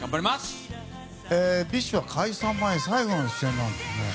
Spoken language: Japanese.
ＢｉＳＨは解散前最後の出演なんですね。